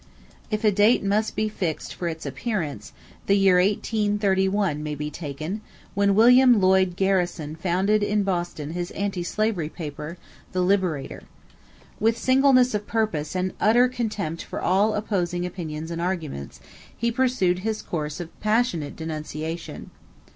If a date must be fixed for its appearance, the year 1831 may be taken when William Lloyd Garrison founded in Boston his anti slavery paper, The Liberator. With singleness of purpose and utter contempt for all opposing opinions and arguments, he pursued his course of passionate denunciation.